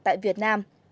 tại việt nam